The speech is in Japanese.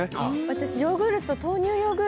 私ヨーグルト。